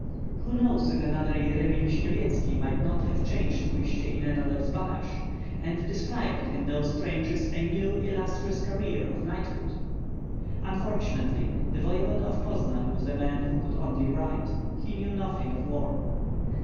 Who knows if another Yeremi Vishnyevetski might not have changed Uistsie into another Zbaraj, and described in those trenches a new illustrious career of knighthood? Unfortunately the voevoda of Poznan was a man who could only write; he knew nothing of war.